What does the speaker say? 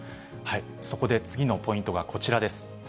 そこで次のポイントがこちらです。